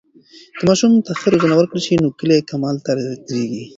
که ماشوم ته ښه روزنه ورکړل سي، نو کلی کمال لا ډېرېږي.